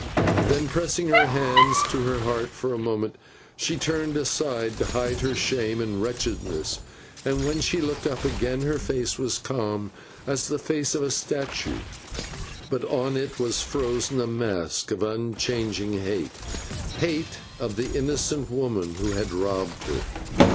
Then, pressing her hands to her heart for a moment, she turned aside to hide her shame and wretchedness, and when she looked up again her face was calm as the face of a statue, but on it was frozen a mask of unchanging hate hate of the woman who had robbed her.